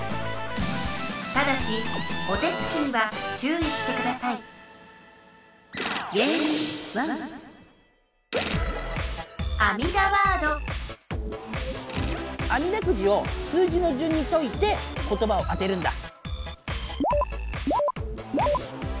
ただしお手つきには注意してくださいあみだくじを数字のじゅんに解いてことばを当てるんだ。